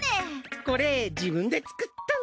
これ自分で作ったの！